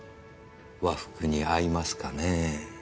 和服に合いますかねぇ。